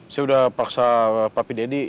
saya udah paksa papi deddy